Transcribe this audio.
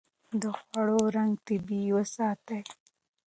د خوړو رنګ طبيعي وساتئ.